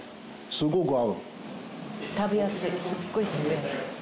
すっごい食べやすい。